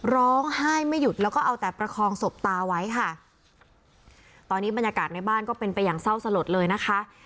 ร้องไห้ไม่หยุดแล้วก็เอาแต่ประคองศพตาไว้ค่ะตอนนี้บรรยากาศในบ้านก็เป็นไปอย่างเศร้าสลดเลยนะคะ